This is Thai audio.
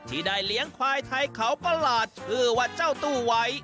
ที่ได้เลี้ยงควายไทยเขาประหลาดชื่อว่าเจ้าตู้ไว้